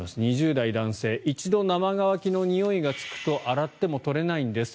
２０代の男性一度生乾きのにおいがつくと洗っても取れないんです。